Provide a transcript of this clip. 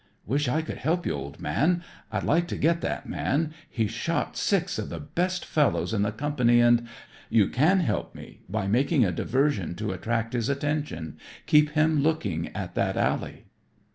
"Wish I could help you, old man. I'd like to get that man. He's shot six of the best fellows in the company and " "You can help me by making a diversion to attract his attention. Keep him looking at that alley."